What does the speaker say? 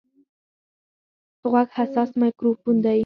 غوږ حساس مایکروفون دی.